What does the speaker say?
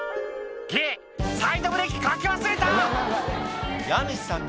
「ゲッサイドブレーキかけ忘れた！」